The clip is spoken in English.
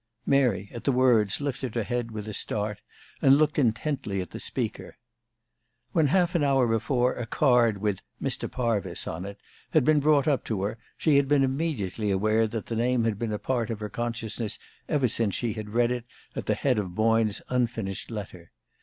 Mary, at the words, lifted her head with a start, and looked intently at the speaker. When, half an hour before, a card with "Mr. Parvis" on it had been brought up to her, she had been immediately aware that the name had been a part of her consciousness ever since she had read it at the head of Boyne's unfinished letter.